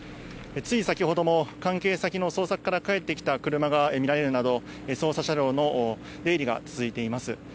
つい先ほども関係先の捜索から帰ってきた車が見られるなど、捜査車両の出入りが続いています。